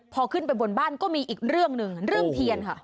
พอขึ้นไปบนบ้านก็มีอีกเรื่องหนึ่งเรื่องเทียนค่ะ